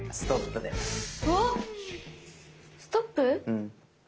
うん。